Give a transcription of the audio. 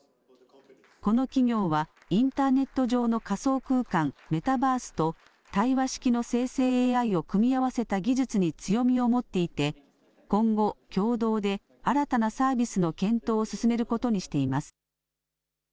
この企業はインターネット上の仮想空間、メタバースと対話式の生成ＡＩを組み合わせた技術に強みを持っていて今後、共同で新たなサービスの検討を進めることにしています。